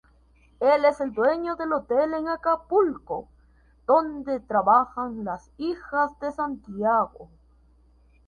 Él es el dueño del hotel en Acapulco donde trabajan las hijas de Santiago.